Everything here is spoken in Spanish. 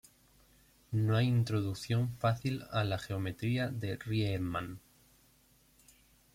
No hay introducción fácil a la geometría de Riemann.